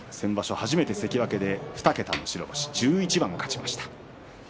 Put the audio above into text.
初めて関脇で２桁の白星、１１番勝ちました。